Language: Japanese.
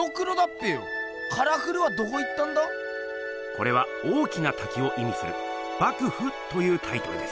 これは大きなたきをいみする「瀑布」というタイトルです。